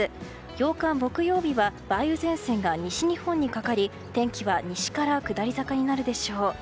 ８日木曜日は梅雨前線が西日本にかかり、天気は西から下り坂になるでしょう。